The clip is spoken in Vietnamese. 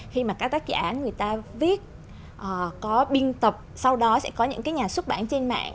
khi mà các tác giả người ta viết có biên tập sau đó sẽ có những cái nhà xuất bản trên mạng